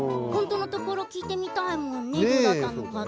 本当のところ聞いてみたいよね。